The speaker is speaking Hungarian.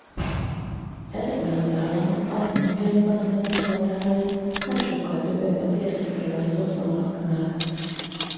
Ezekben az államokban napjainkban a megyék határai nem sokkal többek a térképre rajzolt vonalaknál.